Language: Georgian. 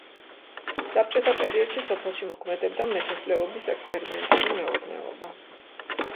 საბჭოთა პერიოდში სოფელში მოქმედებდა მეთესლეობის ექსპერიმენტული მეურნეობა.